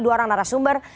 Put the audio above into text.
dua orang narasumber